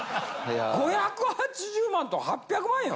５８０万と８００万よ！